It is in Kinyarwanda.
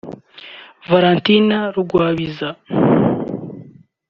Valentine Rugwabiza